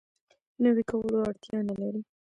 نوی کولو اړتیا نه لري.